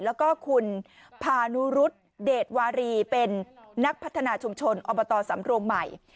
แล้วก็คุณพานุรุษเดชวารีเป็นนักพัฒนาชุมชนอบตสำโรงใหม่